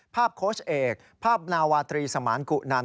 โค้ชเอกภาพนาวาตรีสมานกุนัน